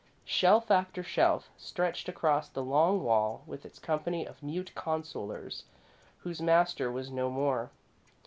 Shelf after shelf stretched across the long wall, with its company of mute consolers whose master was no more.